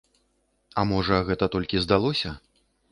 А можа, гэта толькі здалося?